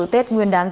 tết nguyên đán giải